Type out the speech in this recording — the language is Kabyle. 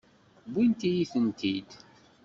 Wwint-iyi-tent-id.